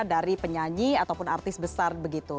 dari penyanyi ataupun artis besar begitu